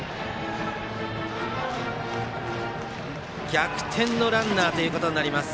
逆転のランナーとなります。